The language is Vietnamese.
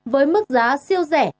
với mức giá siêu rẻ